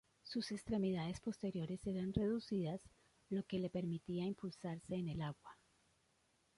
Sus extremidades posteriores eran reducidas, lo que le permitía impulsarse en el agua.